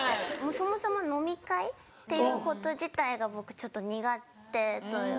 そもそも飲み会ということ自体が僕ちょっと苦手というか。